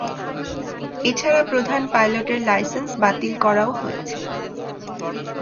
এ ছাড়া প্রধান পাইলটের লাইসেন্স বাতিল করাও হয়েছে।